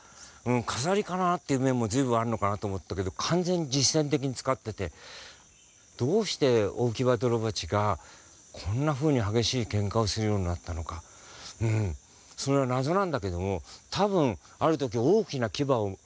「飾りかな？」っていう面も随分あるのかなと思ったけど完全に実戦的に使っててどうしてオオキバドロバチがこんなふうに激しいけんかをするようになったのかうんそれは謎なんだけども多分ある時大きなキバを何か持っちゃったんですね。